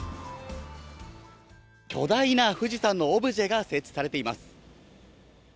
巨大な富士山のオブジェが設置されています。